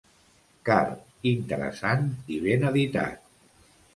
Car, interessant i ben editat.